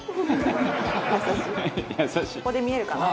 ここで見えるかな？